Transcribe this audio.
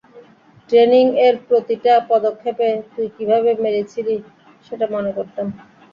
Training এর প্রতিটা পদক্ষেপে, তুই কীভাবে মেরেছিলি সেটা মনে করতাম।